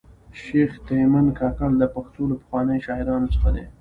شېخ تیمن کاکړ د پښتو له پخوانیو شاعرانو څخه دﺉ.